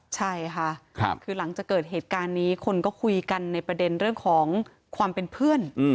ใช่ค่ะคือหลังจากเกิดเหตุการณ์นี้คนก็คุยกันในประเด็นเรื่องของความเป็นเพื่อน